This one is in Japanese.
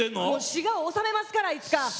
滋賀を治めますからいつか。